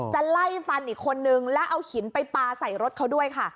จะไล่ฟันอีกคนนึงแล้วเอาหินไปปลาใส่รถเขาด้วยค่ะ